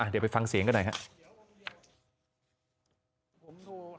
เดี๋ยวไปฟังเสียงกันหน่อยครับ